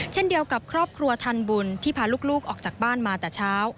เช่นเดียวกับครอบครัวทันบุญที่พาลูกออกจากบ้านมาแต่เช้า